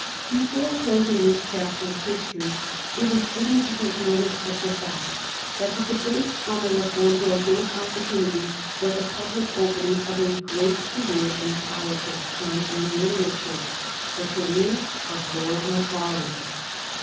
Before closing this chapter of history it is fitting to take notice of the fact that the debates on the Reform Bill gave opportunity for the public opening of a great career in politics and in literature the career of Lord Macaulay.